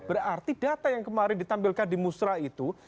berarti data yang kemarin ditampilkan di musra itu